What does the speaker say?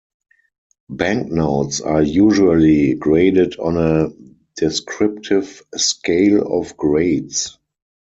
Banknotes are usually graded on a descriptive scale of grades.